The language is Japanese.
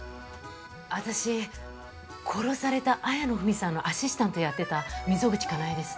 私殺された綾野文さんのアシスタントやってた溝口カナエです。